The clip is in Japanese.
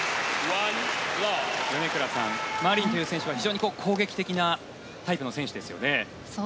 米倉さん、マリンという選手は非常に攻撃的なタイプの選手ですよね。